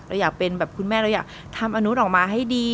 เราอยากเป็นแบบคุณแม่เราอยากทำอนุษย์ออกมาให้ดี